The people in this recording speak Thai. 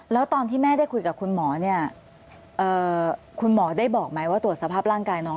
แล้วตอนที่แม่ได้คุยกับคุณหมอเนี่ยคุณหมอได้บอกไหมว่าตรวจสภาพร่างกายน้อง